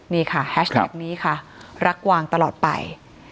นี่ค่ะแฮชแท็กนี้ค่ะรักกวางตลอดไป